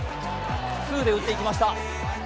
ツーで打っていきました。